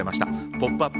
「ポップＵＰ！」